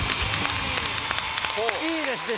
いいですね！